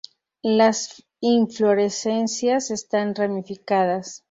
Las inflorescencias están ramificadas.